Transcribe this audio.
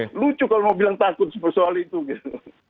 itu cukup kalau mau bilang takut soal itu gitu